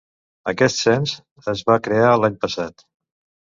Aquest Cens est va crear l'any passat.